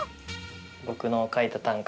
僕の書いた短歌